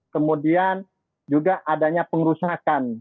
kemudian juga adanya pengerusakan